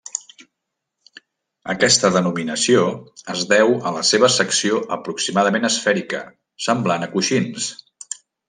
Aquesta denominació es deu a la seva secció aproximadament esfèrica, semblant a coixins.